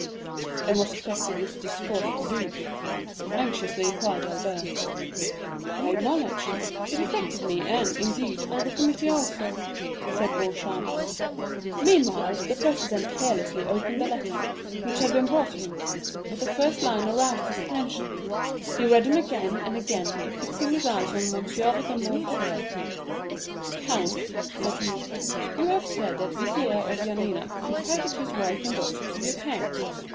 "And what effect did this discourse produce?" anxiously inquired Albert. "I acknowledge it affected me, and, indeed, all the committee also," said Beauchamp. "Meanwhile, the president carelessly opened the letter which had been brought to him; but the first lines aroused his attention; he read them again and again, and fixing his eyes on M. de Morcerf, 'Count,' said he, 'you have said that the Vizier of Yanina confided his wife and daughter to your care?